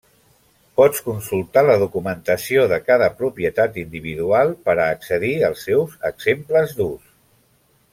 Pots consultar la documentació de cada propietat individual per a accedir als seus exemples d'ús.